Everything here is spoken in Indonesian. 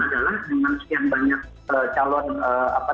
adalah memang sekian banyak calon apa